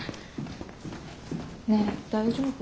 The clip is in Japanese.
ねえ大丈夫？